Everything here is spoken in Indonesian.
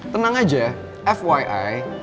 tenang aja fyi